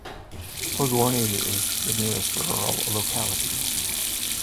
Podgorny is the nearest rural locality.